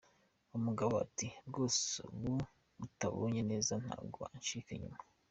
Umugabo ati “Rwose ubu butabanye neza ntabwo ankica inyuma.